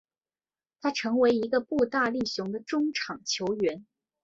他成为一个步大力雄的中场球员。